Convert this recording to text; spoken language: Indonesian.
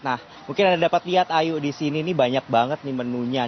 nah mungkin anda dapat lihat ayu di sini nih banyak banget nih menunya